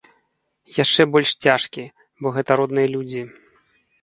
Яшчэ больш цяжкі, бо гэта родныя людзі.